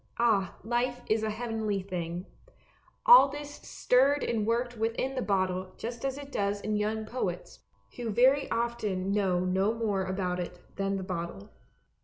Ah, life is a heavenly thing ! All this stirred and worked within the bottle just as it does in young poets, who very often know no more about it than the bottle.